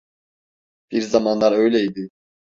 Bir zamanlar öyleydi.